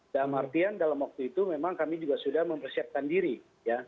dalam artian dalam waktu itu memang kami juga sudah mempersiapkan diri ya